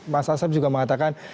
mas asaf juga mengatakan